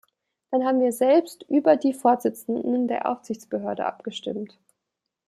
Dann haben wir selbst über die Vorsitzenden der Aufsichtsbehörde abgestimmt.